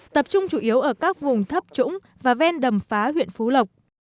tập trung chủ yếu ở các vùng thấp trũng và ven đầm phá huyện phú lộc